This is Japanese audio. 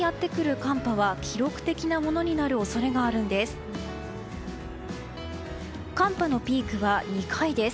寒波のピークは２回です。